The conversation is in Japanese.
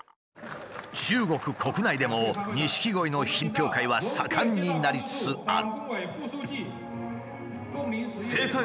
中国国内でも錦鯉の品評会は盛んになりつつある。